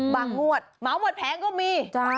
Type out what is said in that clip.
บางหวัดเมาส์หมดแพงก็มี